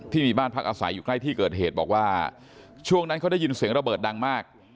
ที่มีบ้านพักอาศัยอยู่ใกล้ที่เกิดเหตุบอกว่าช่วงนั้นเขาได้ยินเสียงระเบิดดังมาก